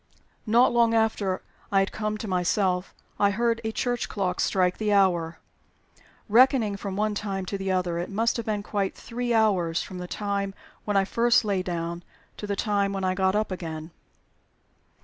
Not long after I had come to myself I heard a church clock strike the hour. Reckoning from one time to the other, it must have been quite three hours from the time when I first lay down to the time when I got up again."